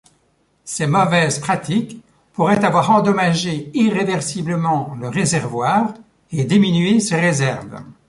Ces mauvaises pratiques pourraient avoir endommagé irréversiblement le réservoir et diminué ses réserves.